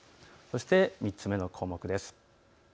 ３つ目の項目です。